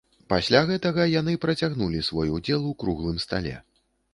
Пасля гэтага яны працягнулі свой удзел у круглым стале.